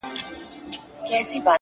o د تل لپاره،